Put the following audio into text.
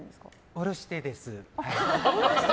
下ろしてです。